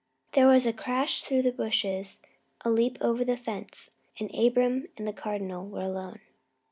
There was a crash through the bushes, a leap over the fence, and Abram and the Cardinal were alone.